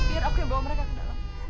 biar aku yang bawa mereka ke dalam